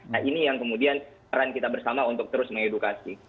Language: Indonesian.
nah ini yang kemudian peran kita bersama untuk terus mengedukasi